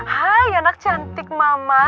hai anak cantik mama